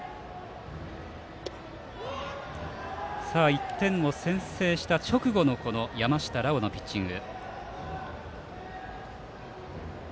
１点を先制した直後の山下羅馬のピッチング。